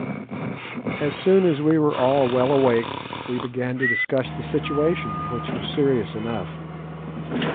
As soon as we were all well awake we began to discuss the situation, which was serious enough.